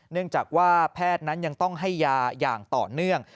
เนื่องจากว่าแพทย์นั้นยังต้องให้ยาอย่างต่อเนื่อง